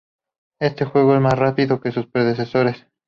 El juego es más rápido que sus predecesores.